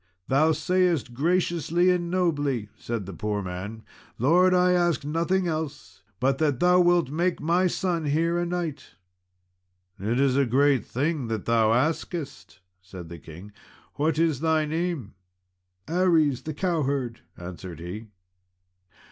"Thou sayest graciously and nobly," said the poor man. "Lord, I ask nothing else but that thou wilt make my son here a knight." "It is a great thing that thou askest," said the king. "What is thy name?" "Aries, the cowherd," answered he.